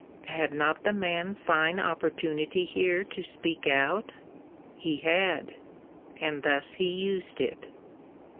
Had not the man a fine opportunity here to speak out? He had. And thus he used it.